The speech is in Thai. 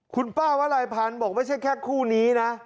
คุณป้าวลัยพันธ์บอกไม่ใช่แค่คู่นี้นะ